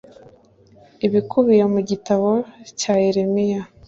ibikubiye mu gitabo cya Yeremiya